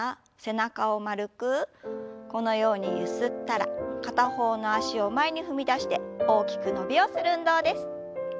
このようにゆすったら片方の脚を前に踏み出して大きく伸びをする運動です。